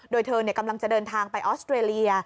โดยเธอกำลังจะเดินทางไปออสเตรเลีย